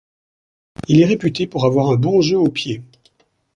Il est réputé pour avoir un bon jeu au pied.